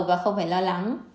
và không phải lo lắng